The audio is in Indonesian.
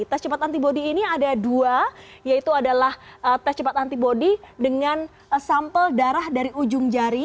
tes cepat antibody ini ada dua yaitu adalah tes cepat antibody dengan sampel darah dari ujung jari